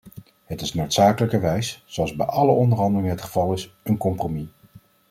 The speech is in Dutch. Het is noodzakelijkerwijs, zoals bij alle onderhandelingen het geval is, een compromis.